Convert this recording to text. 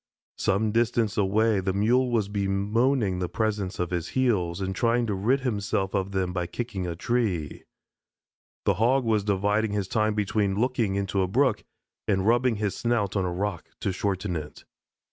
Some distance away the Mule was bemoaning the presence of his heels and trying to rid himself of them by kicking a tree. The Hog was dividing his time between looking into a brook and rubbing his snout on a rock to shorten it.